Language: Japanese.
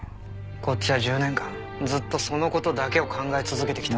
こっちは１０年間ずっとその事だけを考え続けてきたんだ。